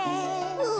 うん。